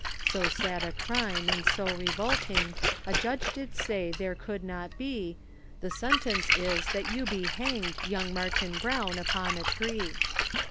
So sad a crime, and so revolting, The judge did say there could not be, The sentence is, that you be hanged, Young Martin Brown, upon a tree.